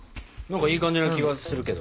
何かいい感じな気がするけど。